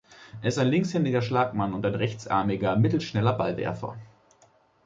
Er ist ein linkshändiger Schlagmann und ein rechtsarmiger, mittelschneller Ballwerfer.